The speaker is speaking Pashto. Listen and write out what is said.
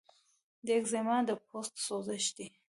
د ایکزیما د پوست سوزش دی.